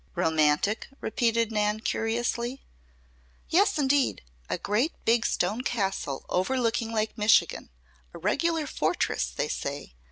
"Romantic?" repeated Nan curiously. "Yes, indeed! A great big stone castle overlooking Lake Michigan, a regular fortress, they say.